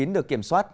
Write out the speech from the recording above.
được kiểm soát